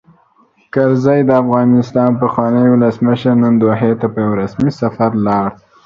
کرزی؛ د افغانستان پخوانی ولسمشر، نن دوحې ته په یوه رسمي سفر ولاړ.